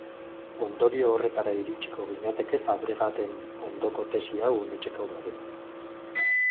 Ondorio horretara iritsiko ginateke Fabregaten ondoko tesi hau onetsiko bagenu.